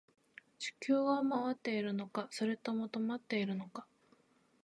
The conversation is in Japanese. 地球は回っているのか、それとも止まっているのか